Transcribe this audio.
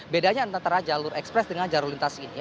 bedanya antara jalur ekspres dengan jalur lintas ini